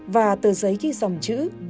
và tờ giấy ghi dòng chữ